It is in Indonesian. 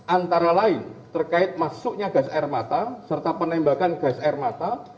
antara lain terkait masuknya gas air mata serta penembakan gas air mata